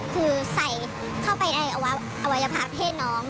คือใส่เข้าไปอะไรเอาไว้เอาไว้จะพาเข้นน้อง